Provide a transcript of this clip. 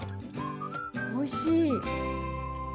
おいしい。